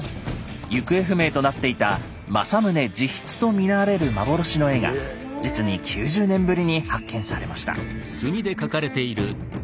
行方不明となっていた政宗自筆と見られる幻の絵が実に９０年ぶりに発見されました。